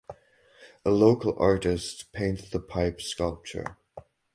A local artist painted the pipe sculpture.